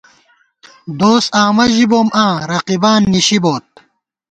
دوس آمہ ژِبوم آں رقیبان نِشی بوت